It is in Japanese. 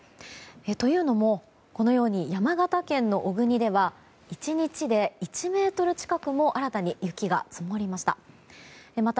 というのも、このように山形県の小国では１日で１ｍ近くも新たに雪が積もりました。